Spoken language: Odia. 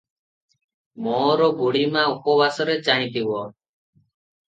ମୋର ବୁଢ଼ୀମା ଉପବାସରେ ଚାହିଁଥିବ ।